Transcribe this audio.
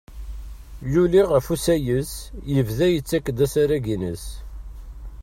Yuli ɣef usayes, yebda yettakk-d asarag-ines.